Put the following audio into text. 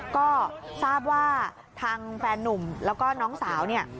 ก็ทราบว่าทางแฟนนุ่มแล้วก็น้องสาวเนี่ย